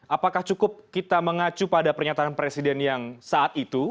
apakah cukup kita mengacu pada pernyataan presiden yang saat itu